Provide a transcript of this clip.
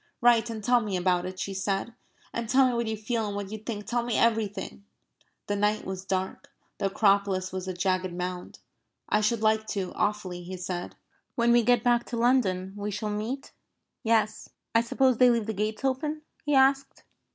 "Write and tell me about it," she said. "And tell me what you feel and what you think. Tell me everything." The night was dark. The Acropolis was a jagged mound. "I should like to, awfully," he said. "When we get back to London, we shall meet..." "Yes." "I suppose they leave the gates open?" he asked.